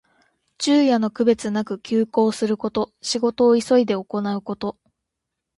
昼夜の区別なく急行すること。仕事を急いで行うこと。